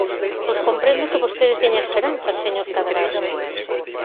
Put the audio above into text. Pois comprendo que vostede teña esperanzas, señor Cadrado.